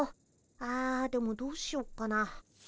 ああでもどうしよっかな。